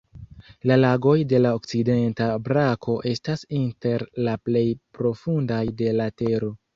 La lagoj de la okcidenta brako estas inter la plej profundaj de la Tero.